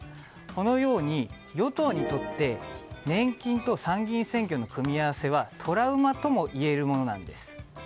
このように与党にとって年金と参議院選挙の組み合わせはトラウマともいえるものなんです。